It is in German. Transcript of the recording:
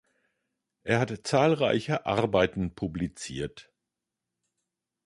Er hat zahlreiche Arbeiten publiziert.